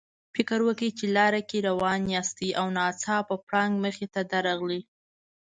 فکر وکړئ چې لار کې روان یاستئ او ناڅاپه پړانګ مخې ته درغی.